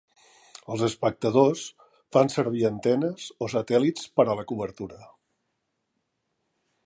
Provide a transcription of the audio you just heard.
Els espectadors fan servir antenes o satèl·lits per a la cobertura.